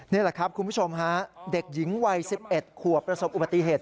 นี่คุณผู้ชมเด็กหญิงไว้๑๑ขวบประสบอุบัติเหตุ